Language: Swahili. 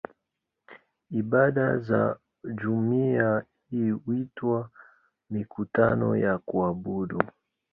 Ibada za jumuiya hii huitwa "mikutano ya kuabudu".